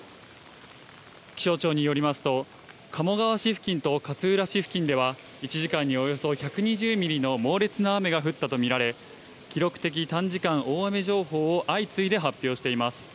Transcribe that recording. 気象庁によりますと、鴨川市付近と勝浦市付近では１時間におよそ１２０ミリの猛烈な雨が降ったとみられ、記録的短時間大雨情報を相次いで発表しています。